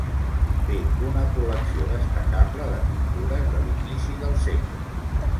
Té una col·lecció destacable de pintures de l'inici del segle.